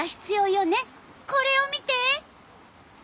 これを見て！